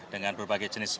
dengan berbagai jenis pesawat